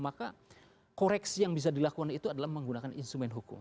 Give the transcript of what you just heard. maka koreksi yang bisa dilakukan itu adalah menggunakan instrumen hukum